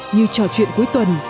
như trò chuyện cuối tuần